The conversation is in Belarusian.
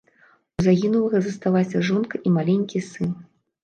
У загінулага засталася жонка і маленькі сын.